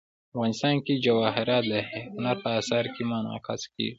افغانستان کې جواهرات د هنر په اثار کې منعکس کېږي.